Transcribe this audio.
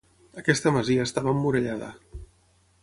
Aquesta masia estava emmurallada.